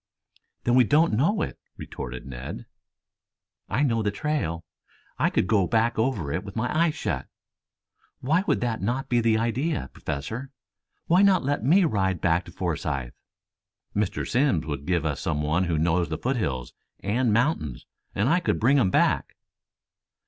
"Then we don't know it," retorted Ned. "I know the trail. I could go back over it with my eyes shut. Why would that not be the idea, Professor? Why not let me ride back to Forsythe? Mr. Simms would give us some one who knew the foothills and mountains and I could bring him back."